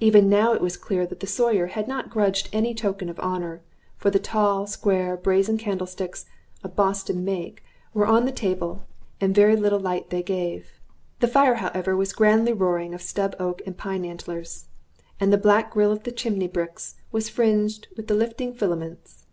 Even now it was clear that the Sawyer had not grudged any tokens of honor, for the tall, square, brazen candlesticks, of Boston make, were on the table, and very little light they gave. The fire, however, was grandly roaring of stub oak and pine antlers, and the black grill of the chimney bricks was fringed with lifting filaments.